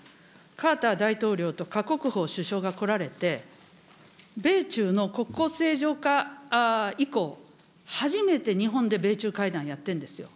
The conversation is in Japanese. カーター大統領とかこくほう首相が来られて、米中の国交正常化以降、初めて日本で米中会談やってるんですよ。